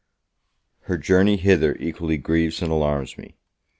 Her journey hither equally grieves and alarms me.